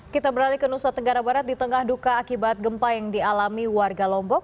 kita beralih ke nusa tenggara barat di tengah duka akibat gempa yang dialami warga lombok